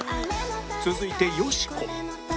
続いてよしこ